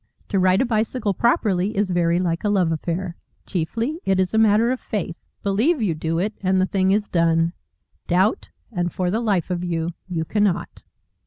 To ride a bicycle properly is very like a love affair chiefly it is a matter of faith. Believe you do it, and the thing is done; doubt, and, for the life of you, you cannot.